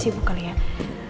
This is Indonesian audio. mungkin bisa dihubungin